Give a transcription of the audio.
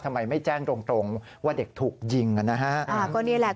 ทำไมไม่แจ้งตรงตรงว่าเด็กถูกยิงอ่ะนะฮะอ่าก็นี่แหละ